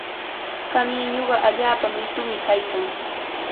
Kamiñuqa allaapa mitumi kaykan.